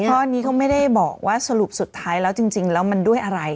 เพราะอันนี้เขาไม่ได้บอกว่าสรุปสุดท้ายแล้วจริงแล้วมันด้วยอะไร